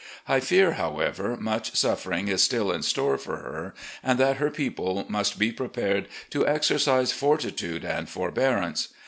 I fear, however, much suffering is still in store for her, and that her people must be prepared to exercise fortitude and forbearance.